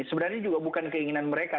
sebenarnya juga bukan keinginan mereka